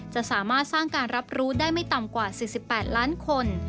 จะสามารถสร้างการรับรู้ได้ไม่ต่ำกว่า๔๘ล้านคน